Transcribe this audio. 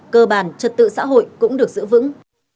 cơ bản trật tự xã hội cũng được giữ vững